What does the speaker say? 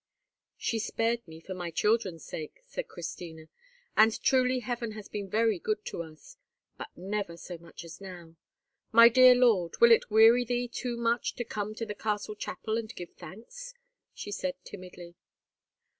"She spared me for my children's sake," said Christina; "and truly Heaven has been very good to us, but never so much as now. My dear lord, will it weary thee too much to come to the castle chapel and give thanks?" she said, timidly.